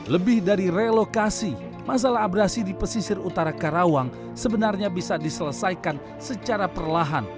lebih dari relokasi masalah abrasi di pesisir utara karawang sebenarnya bisa diselesaikan secara perlahan